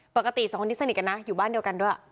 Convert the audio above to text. ปกติสองคนที่สนิทกันนะอยู่บ้านเดียวกันด้วย